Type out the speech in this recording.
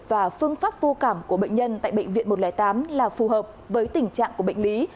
và phương pháp vô cảm của bệnh nhân tại bệnh viện một trăm linh tám là phù hợp với tình trạng của bệnh lý